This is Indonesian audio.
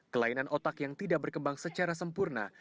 kelainan otak yang tidak berkembang secara sempurna